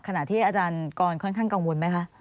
ขณะที่อาจารย์กรค่อนข้างกังวลไหมคะ